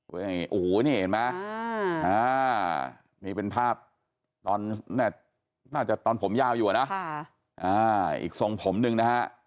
โอ้โหนี่เห็นไหมนี่เป็นภาพตอนน่าจะตอนผมยาวอยู่นะอีกทรงผมหนึ่งนะฮะ